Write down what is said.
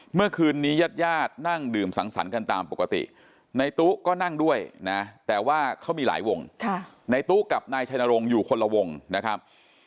เมื่อคืนนี้ญาติญาตินั่งดื่มสังสรรค์กันตามปกติในตู้ก็นั่งด้วยนะแต่ว่าเขามีหลายวงในตู้กับนายชัยนรงค์อยู่คนละวงนะครับ